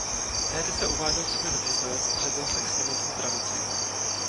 Tehdy se uváděl coby zemědělec a řadil se k sněmovní pravici.